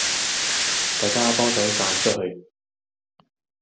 大家幫手散出去